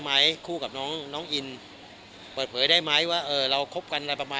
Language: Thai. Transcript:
ไหมคู่กับน้องน้องอินเปิดเผยได้ไหมว่าเออเราคบกันอะไรประมาณ